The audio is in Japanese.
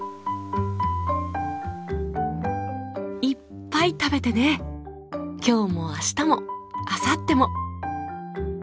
いっぱい食べてね今日も明日もあさっても。